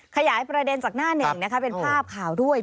ขยายประเด็นจากหน้าหนึ่งนะคะเป็นภาพข่าวด้วย